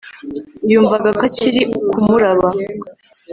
Yumvaga ko akiri kumuraba